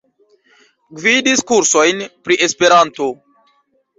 Gvidis kursojn pri Esperanto.